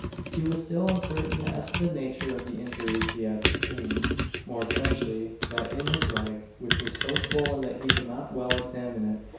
He was still uncertain as to the nature of the injuries he had sustained more especially that in his leg, which was so swollen that he could not well examine it.